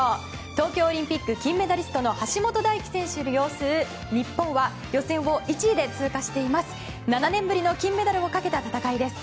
東京オリンピック金メダリストの橋本大輝選手擁する日本は予選を１位で通過しています。